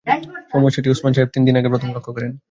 সমস্যাটি ওসমান সাহেব তিন দিন আগে প্রথম লক্ষ করেন।